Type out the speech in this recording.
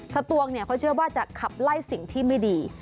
สตวงเนี่ยเขาเชื่อว่าจะขับไล่สิ่งที่ไม่ดี